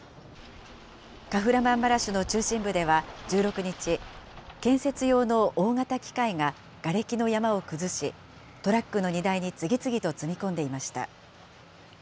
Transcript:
カフラマンマラシュの中心部では、１６日、建設用の大型機械ががれきの山を崩し、トラックの荷台に次々と積み込んでいました。